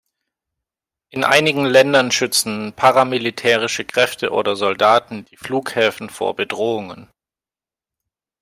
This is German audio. In einigen Ländern schützen paramilitärische Kräfte oder Soldaten die Flughäfen vor Bedrohungen.